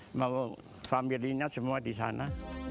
semua mau familynya semua di sana